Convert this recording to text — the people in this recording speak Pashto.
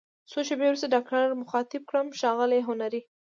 څو شیبې وروسته ډاکټر مخاطب کړم: ښاغلی هنري!